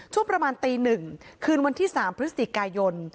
ช่วงประมาณตี๑คืนวันที่๓พฤศจิกายน